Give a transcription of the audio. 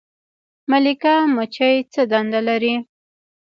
ملکه مچۍ څه دنده لري؟